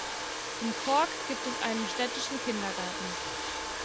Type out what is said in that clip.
In Kork gibt es einen städtischen Kindergarten.